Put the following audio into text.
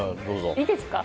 いいですか？